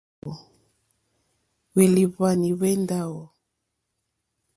Hwélìhwwànì hwé ndáwò.